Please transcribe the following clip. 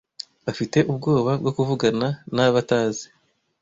Afite ubwoba bwo kuvugana nabatazi.